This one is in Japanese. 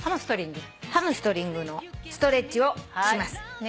ハムストリングのストレッチをします。